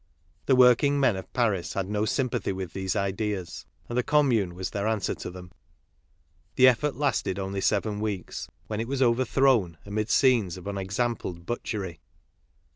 The working men of Paris had no sympathy with these ideas ; and the Commune was their answer to them. The effort lasted only seven weeks, when it was overthrown amid scenes of unexampled butchery.